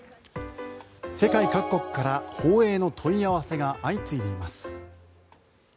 世界各国から放映の問い合わせが相次いでいます。